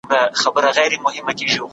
که نظم وي نو شور نه زیاتېږي.